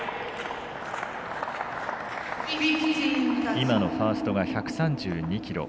今のファーストが１３２キロ。